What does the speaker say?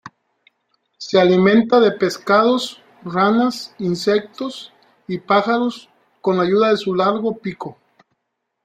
Se alimenta de pescados, ranas, insectos y pájaros con ayuda de su largo pico.